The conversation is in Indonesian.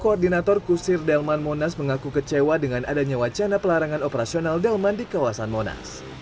koordinator kusir delman monas mengaku kecewa dengan adanya wacana pelarangan operasional delman di kawasan monas